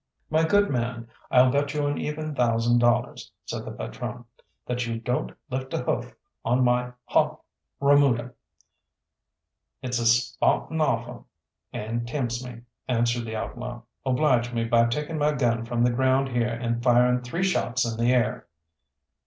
"My good man, I'll bet you an even thousand dollars," said the patrone, "that you don't lift a hoof of my haw remuda." "It's a spawtin' offer, and tempts me," answered the outlaw. "Oblige me by taking my gun from the ground here and firing three shots in the air."